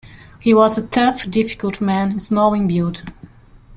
He was a tough, difficult man, small in build.